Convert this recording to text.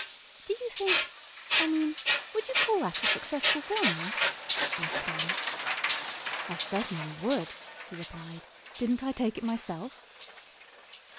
"Do you think I mean would you call that a successful film, Russ?" asked Alice. "I certainly would," he replied. "Didn't I take it myself?"